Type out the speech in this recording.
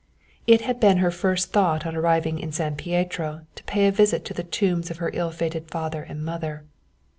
It had been her first thought on arriving in San Pietro to pay a visit to the tombs of her ill fated father and mother.